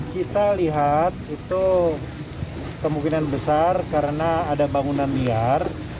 kita lihat itu kemungkinan besar karena ada bangunan liar